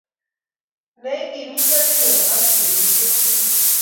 Ne igimita inne ak betushek tugul